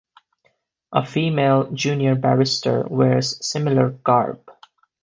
A female junior barrister wears similar garb.